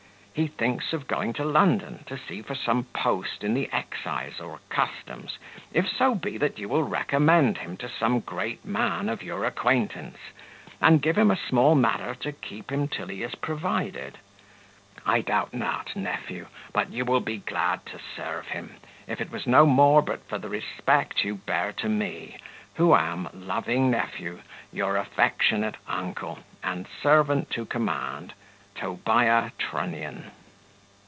He thinks of going to London, to see for some post in the excise or customs if so be that you will recommend him to some great man of your acquaintance, and give him a small matter to keep him till he is provided. I doubt not, nephew, but you will be glad to serve him, if it was no more but for the respect you bear to me, who am, Loving nephew, your affectionate uncle, and servant to command, "Tobiah Trunnion."